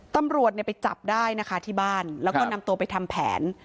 ตำรวจไปจับได้นะคะที่บ้านแล้วก็นำตัวไปทำแผน